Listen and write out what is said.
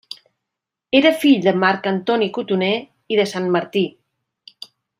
Era fill de Marc Antoni Cotoner i de Santmartí.